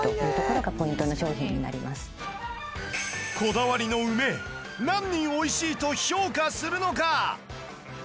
こだわりの梅何人「おいしい」と評価するのか？